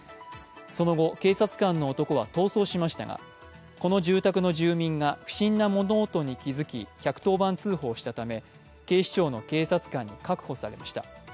その後、警察官の男は逃走しましたがこの住宅の住民が不審な物音に気付き１１０番通報したため、警視庁の警察官に確保されました。